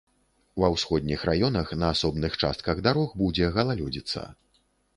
Ва ўсходніх раёнах на асобных частках дарог будзе галалёдзіца.